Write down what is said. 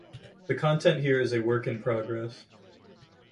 The content here is a work in progress.